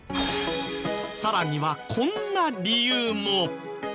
更にはこんな理由も。